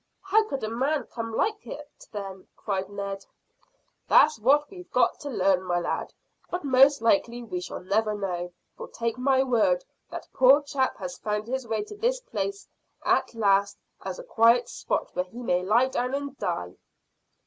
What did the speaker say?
"How could a man come like that, then?" cried Ned. "That's what we've got to learn, my lad; but most likely we shall never know, for, take my word, that poor chap has found his way to this place at last as a quiet spot where he may lie down and die."